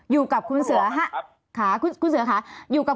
อยู่กับคุณเสือ๕๐๐๐๖๐๐๐คนนี่แปลว่าอะไรครับ